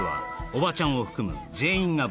おばちゃんを含む